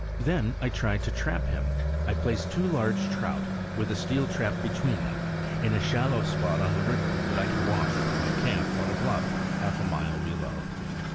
Then I tried to trap him. I placed two large trout, with a steel trap between them, in a shallow spot on the river that I could watch from my camp on a bluff, half a mile below.